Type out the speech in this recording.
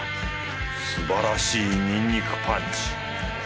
すばらしいニンニクパンチ！